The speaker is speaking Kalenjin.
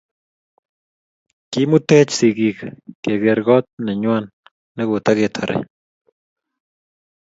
Kimuteech sigik kegeer koot nengway nogotigetare